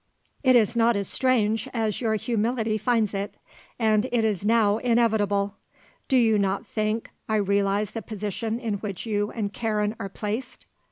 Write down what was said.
"It is not as strange as your humility finds it. And it is now inevitable. You do not I think realize the position in which you and Karen are placed.